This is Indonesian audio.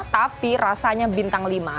tapi rasanya bintang lima